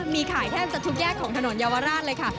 มีขายแทบจะทุกแยกของถนนเยาวราชเลยค่ะ